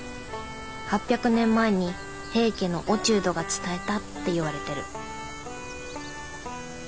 ８００年前に平家の落人が伝えたっていわれてる。